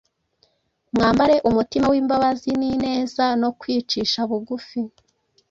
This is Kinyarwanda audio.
mwambare umutima w’imbabazi n’ineza, no kwicisha bugufi,